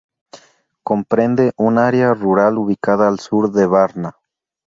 Comprende un área rural ubicada al sur de Varna.